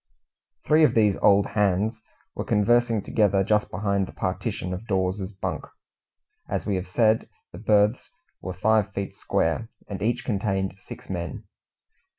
Three of these Old Hands were conversing together just behind the partition of Dawes's bunk. As we have said, the berths were five feet square, and each contained six men.